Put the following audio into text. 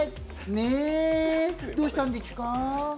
ねえ、どうしたんでちゅか？